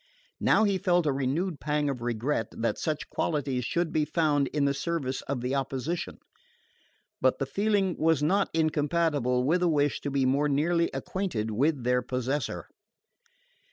Now he felt a renewed pang of regret that such qualities should be found in the service of the opposition; but the feeling was not incompatible with a wish to be more nearly acquainted with their possessor.